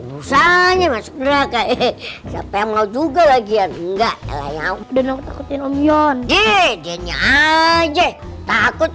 usahanya masuk neraka eh siapa yang mau juga lagi ya enggak ya udah takutin om yon dia aja takut